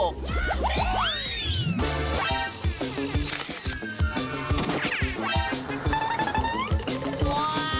ว้าว